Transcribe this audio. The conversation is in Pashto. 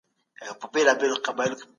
هر څوک باید د کار په وخت تمرکز وکړي.